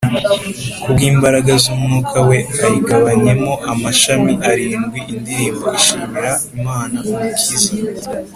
ku bw’imbaraga z’umwuka we, ayigabanyemo amashami arindwi, Indirimbo ishimira Imana, Umukiza